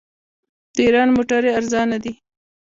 د ایران موټرې ارزانه دي.